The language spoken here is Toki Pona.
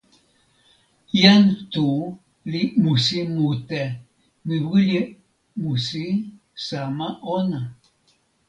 jan Tu li musi mute. mi wile musi sama ona.